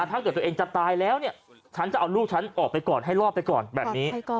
ถ้าเกิดตัวเองจะตายแล้วเนี่ยฉันจะเอาลูกฉันออกไปก่อนให้รอดไปก่อนแบบนี้